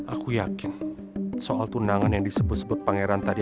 aku yakin soal tunangan yang disebut sebut pangeran tadi